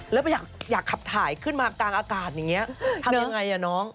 แล้วอยากขับถ่ายขึ้นมากลางอากาศอย่างนี้ทำยังไงอ่ะน้อง